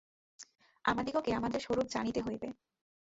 আমাদিগকে আমাদের স্বরূপ জানিতে হইবে।